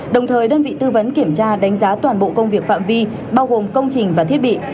đồng thời đơn vị tư vấn kiểm tra đánh giá toàn bộ công việc phạm vi bao gồm công trình và thiết bị